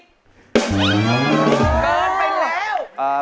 เกินไปแล้ว